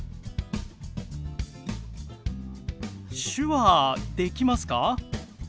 手話できますか？